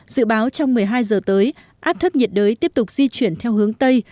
dự báo trong một mươi hai giờ tới áp thấp nhiệt đới tiếp tục di chuyển theo hướng tây